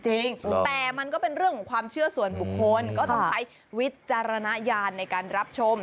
แต่มันก็เป็นเรื่องของความเชื่อส่วนบุคคลก็ต้องใช้วิจารณญาณในการรับชม